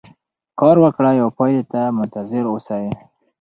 کار وکړئ او پایلې ته منتظر اوسئ.